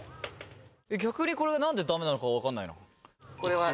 逆にこれがなんでダメなのかわかんないな。